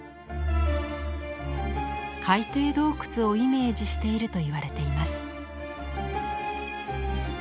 海底洞窟をイメージしているといわれています。